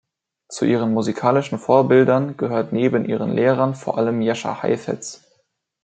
Zu ihren musikalischen Vorbildern gehört neben ihren Lehrern vor allem Jascha Heifetz.